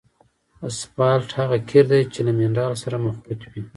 اسفالټ هغه قیر دی چې له منرال سره مخلوط وي